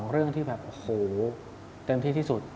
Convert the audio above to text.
๒เรื่องที่แมบเติมที่ที่สุด